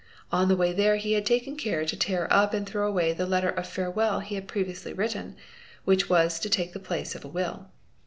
On the way there he had taken care to tear "Up and throw away the letter of farewell he had previously written, Which was to take the place of a will.